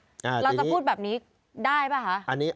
เราจะพูดแบบนี้ได้ป่ะคะ